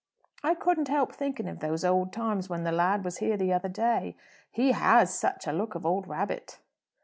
I couldn't help thinking of those old times when the lad was here the other day; he has such a look of old Rabbitt!"